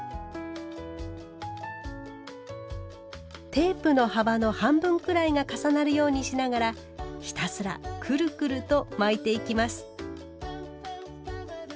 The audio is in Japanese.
テープの幅の半分くらいが重なるようにしながらひたすらくるくると巻いていきます。